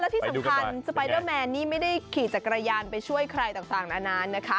ที่สำคัญสไปเดอร์แมนนี่ไม่ได้ขี่จักรยานไปช่วยใครต่างนานนะคะ